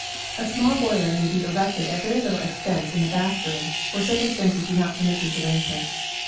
A small boiler may be erected at very little expense in the bath room, where circumstances do not permit these arrangements.